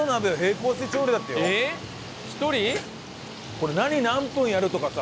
これ何何分やるとかさ